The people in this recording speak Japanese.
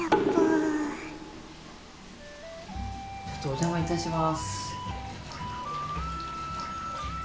ちょっとお邪魔いたします。